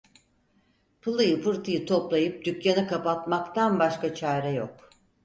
Pılıyı pırtıyı toplayıp dükkanı kapatmaktan başka çare yok!